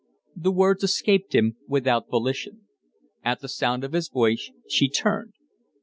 The words escaped him without volition. At sound of his voice she turned.